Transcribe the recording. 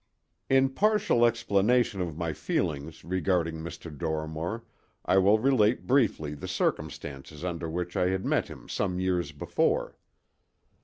II In partial explanation of my feelings regarding Dr. Dorrimore I will relate briefly the circumstances under which I had met him some years before.